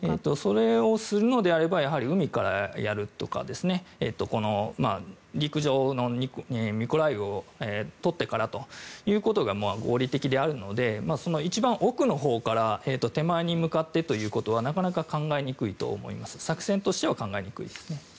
それをするのであれば海からやるとか陸上をとってからということが合理的であるので、一番奥から手前に向かってということはなかなか作戦としては考えにくいですね。